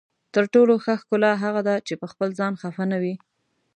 تر ټولو ښه ښکلا هغه ده چې پخپل ځان خفه نه وي.